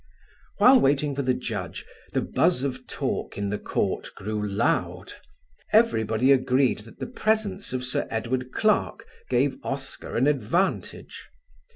While waiting for the judge, the buzz of talk in the court grew loud; everybody agreed that the presence of Sir Edward Clarke gave Oscar an advantage.